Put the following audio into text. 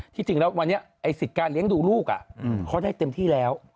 จริงแล้ววันนี้ไอ้สิทธิ์การเลี้ยงดูลูกเขาได้เต็มที่แล้ว